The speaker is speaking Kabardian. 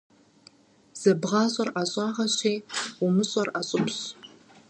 ЗэбгъащӀэр ӀэщӀагъэщи, умыщӀэр ӀэщӀыбщ.